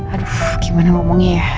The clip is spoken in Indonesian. aduh gimana ngomongnya ya